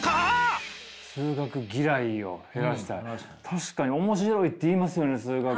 確かに面白いっていいますよね数学。